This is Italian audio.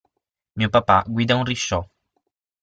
Mio papà guida un risciò.